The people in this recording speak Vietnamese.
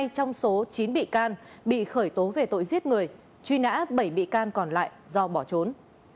hai trong số chín bị can bị khởi tố về tội giết người truy nã bảy bị can còn lại do bỏ trốn